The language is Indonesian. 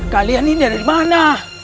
kalian ini dari mana